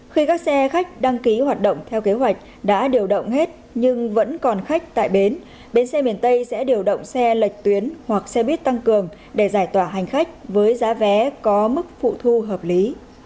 khi các xe khách đăng ký hoạt động theo kế hoạch đã điều động hết nhưng vẫn còn khách tại bến bến xe miền tây sẽ điều động xe lệch tuyến hoặc xe buýt tăng cường để giải tỏa hành khách với giá vé có mức phụ thu hợp lý